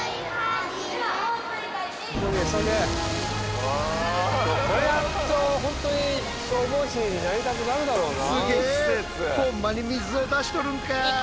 うんこれやると本当に消防士になりたくなるだろうな。